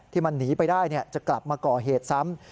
ที่มันหนีไปได้จะกลับมาก่อเหตุซ้ำ